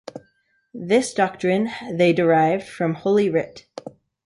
This doctrine they derived from Holy Writ.